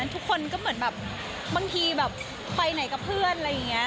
ทุกคนก็เหมือนแบบบางทีแบบไปไหนกับเพื่อนอะไรอย่างนี้